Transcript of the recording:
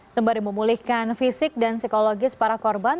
sembari memulihkan fisik dan psikologis para korban